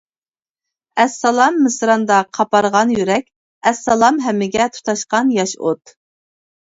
ئەسسالام مىسراندا قاپارغان يۈرەك، ئەسسالام ھەممىگە تۇتاشقان ياش ئوت.